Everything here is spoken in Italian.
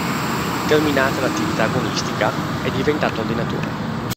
Terminata l'attività agonistica, è diventato allenatore.